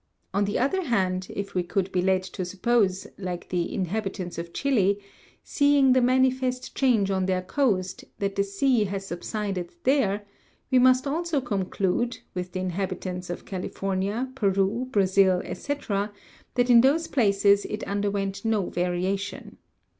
On the other hand, if we could be led to suppose, like the inhabitants of Chile, seeing the manifest change on their coast, that the sea has sub sided there, we must also conclude, with the inhabitants of Cali fornia, Peru, Brazil, &c., that in those places it underwent no variation.